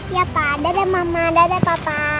iya pak dadah mama dadah papa